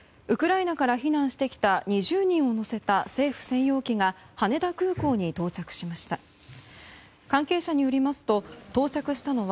ウクライナから避難してきた２０人を乗せた政府専用機が羽田空港に到着しました。